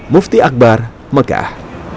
mufti akbar mekah